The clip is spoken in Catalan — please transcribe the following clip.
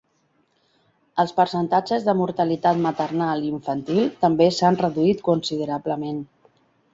Els percentatges de mortalitat maternal i infantil també s'han reduït considerablement.